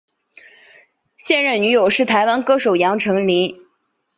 现任女友是台湾歌手杨丞琳。